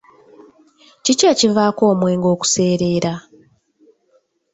Kiki ekivaako omwenge okuseerera?